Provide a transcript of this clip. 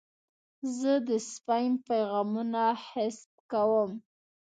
زه د سپیم پیغامونه حذف کوم.